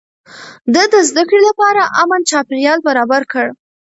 ده د زده کړې لپاره امن چاپېريال برابر کړ.